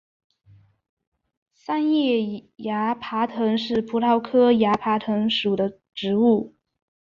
三叶崖爬藤是葡萄科崖爬藤属的植物。